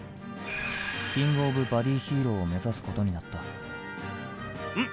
「キングオブバディヒーロー」を目指すことになったん？